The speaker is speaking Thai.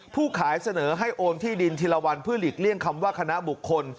ผู้ขายเสนอให้โอนที่ดินทีละวันเพื่อหลีกเลี่ยงคำว่าคณะบุคคล